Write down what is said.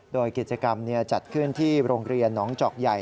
โดยกิจกรรมจัดขึ้นที่โรงเรียนหนองจอกใหญ่